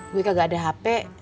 gue kagak ada hp